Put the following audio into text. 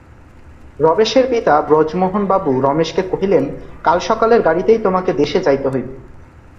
রমেশের পিতা ব্রজমোহনবাবু রমেশকে কহিলেন, কাল সকালের গাড়িতেই তোমাকে দেশে যাইতে হইবে।